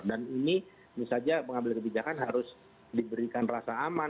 dan ini misalnya pengambil kebijakan harus diberikan rasa aman